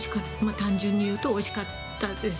単純に言うとおいしかったです。